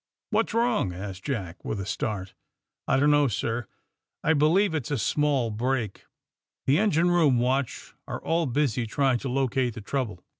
''* What's wrong T' asked Jack, with a start. '^I don't know, sir. I believe it's a small break. The engine room watch are all busy trying to locate the trouble.